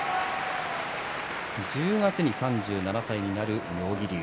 １０月に３７歳になる妙義龍。